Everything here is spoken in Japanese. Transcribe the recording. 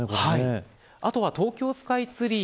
あとは東京スカイツリー